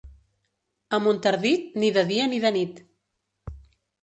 A Montardit, ni de dia ni de nit.